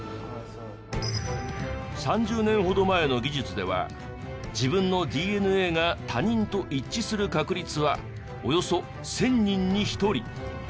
３０年ほど前の技術では自分のＤＮＡが他人と一致する確率はおよそ１０００人に１人。